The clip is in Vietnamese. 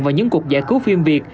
vào những cuộc giải cứu phim việt